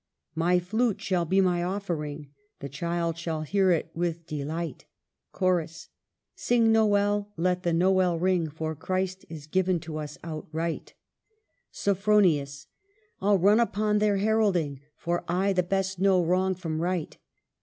My flutd shall be my offering ; The Child shall hear it with delight. Chorus. Sing Nowell, let the Nowell ring. For Christ is given to tis outright. 280 MARGARET OF ANGOULtME. Sophronius. I '11 run upon their heralding, For I the best know wrong from right.